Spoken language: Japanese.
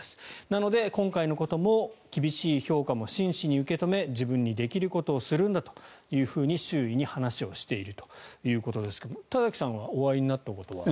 なので、今回のことも厳しい評価も真摯に受け止め自分にできることをするんだというふうに周囲に話しをしているんだということですが田崎さんはお会いになったことは？